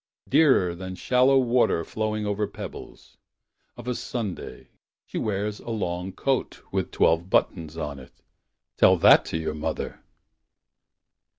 Dearer than shallow water Flowing over pebbles . Of a Sunday, She wears a long coat. With twelve buttons on it. Tell that to your mother.